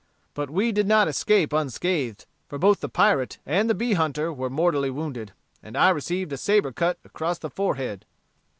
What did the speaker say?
But we did not escape unscathed, for both the pirate and the bee hunter were mortally wounded, and I received a sabre cut across the forehead.